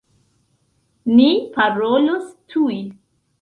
Ni parolos tuj!